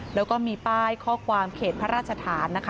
แล้วก็มีป้ายข้อความเขตพระราชฐานนะคะ